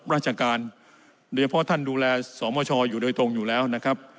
ราชการโดยเฉพาะท่านดูแลสมชอยู่โดยตรงอยู่แล้วนะครับ